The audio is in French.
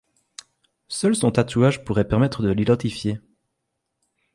Seul son tatouage pourrait permettre de l'identifier.